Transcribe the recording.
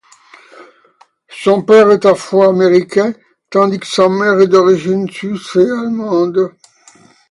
Son père est afro-américain tandis que sa mère est d'origine suisse et allemande.